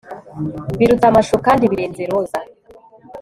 Biruta amashu kandi birenze roza